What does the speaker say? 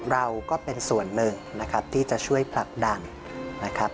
เราก็เป็นส่วนหนึ่งนะครับที่จะช่วยผลักดันนะครับ